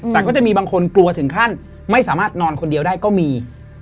แต่ก็จะมีบางคนกลัวถึงขั้นไม่สามารถนอนคนเดียวได้ก็มี